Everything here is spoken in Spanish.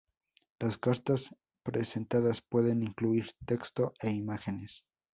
Las cartas presentadas pueden incluir texto e imágenes.